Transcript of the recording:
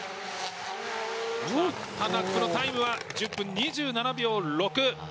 タナックのタイムは１０分２７秒６。